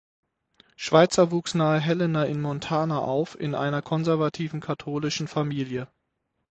Schweitzer wuchs nahe Helena in Montana auf in einer konservativen katholischen Familie.